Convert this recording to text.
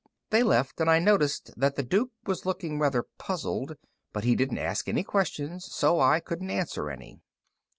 They left, and I noticed that the Duke was looking rather puzzled, but he didn't ask any questions, so I couldn't answer any.